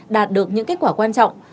đạt được những kết quả quan trọng